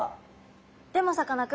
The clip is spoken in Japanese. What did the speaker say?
でもさかなクン。